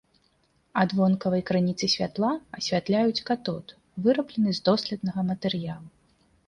Ад вонкавай крыніцы святла асвятляюць катод, выраблены з доследнага матэрыялу.